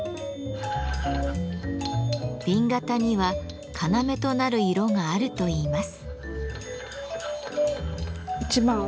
紅型には要となる色があるといいます。